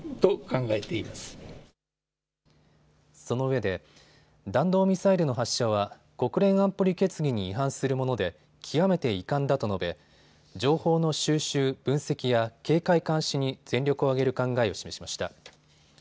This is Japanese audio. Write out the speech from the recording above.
そのうえで弾道ミサイルの発射は国連安保理決議に違反するもので極めて遺憾だと述べ、情報の収集・分析や警戒監視に全力を挙げる考えを示しました。